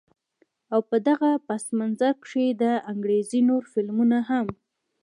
او په دغه پس منظر کښې د انګرېزي نور فلمونه هم